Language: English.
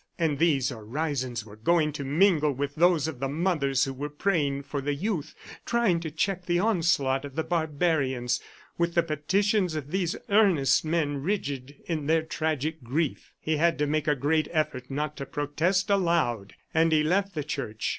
And these orisons were going to mingle with those of the mothers who were praying for the youth trying to check the onslaught of the barbarians with the petitions of these earnest men, rigid in their tragic grief! ... He had to make a great effort not to protest aloud, and he left the church.